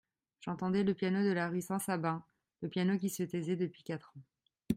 J'entendais le piano de la rue Saint-Sabin, le piano qui se taisait depuis quatre ans.